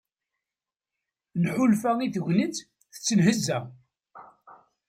Nḥulfa i tegnit tettenhezza.